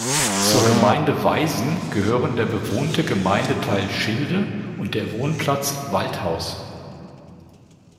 Zur Gemeinde Weisen gehören der bewohnte Gemeindeteil Schilde und der Wohnplatz Waldhaus.